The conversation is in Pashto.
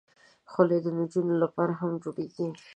خولۍ د نجونو لپاره هم جوړېږي.